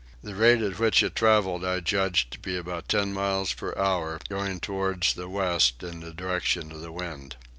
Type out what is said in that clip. The rate at which it travelled I judged to be about ten miles per hour going towards the west in the direction of the wind.